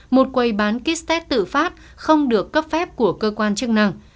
một quầy bán ký test tự phát không được cấp phép của cơ quan chức năng